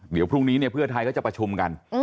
เดี๋ยวพรุ่งนี้เนี่ยเพื่อไทยเขาจะประชุมกัน